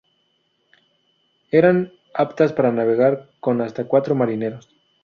Eran aptas para navegar con hasta cuatro marineros.